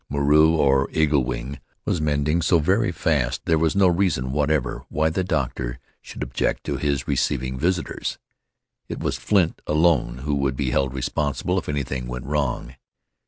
Moreau, or Eagle Wing, was mending so very fast there was no reason whatever why the doctor should object to his receiving visitors. It was Flint alone who would be held responsible if anything went wrong.